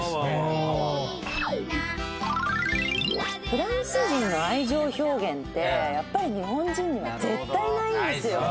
「フランス人の愛情表現ってやっぱり日本人には絶対ないんですよ」